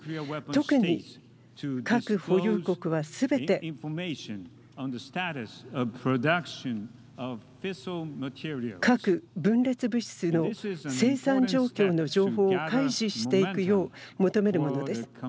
特に、核保有国はすべて核分裂物質の生産状況の情報を開示していくよう求めるものです。